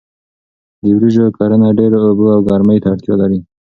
د وریژو کرنه ډیرو اوبو او ګرمۍ ته اړتیا لري.